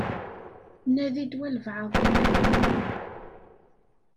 Nadi-d walebɛaḍ-nniḍen.